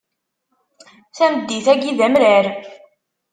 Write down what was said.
Tameddit-agi d amrar.